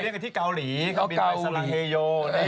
ใช่ต้องบอกที่เกาหลีศลังเฮโย